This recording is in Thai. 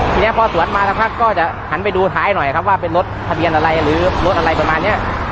ทีนี้พอสวนมาสักพักก็จะหันไปดูท้ายหน่อยครับว่าเป็นรถทะเบียนอะไรหรือรถอะไรประมาณเนี้ย